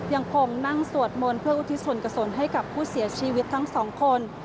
ยังคงนั่งสวดมนต์เพื่ออุทิศส่วนกษลให้กับผู้เสียชีวิตทั้งสองคน